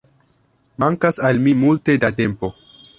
Mankas al mi multe da tempo